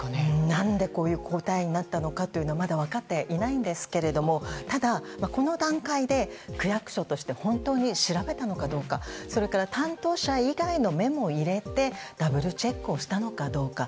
何でこういう答えになったのかまだ分かっていないんですがただ、この段階で区役所として本当に調べたのかどうかそれから担当者以外の目も入れてダブルチェックをしたのかどうか。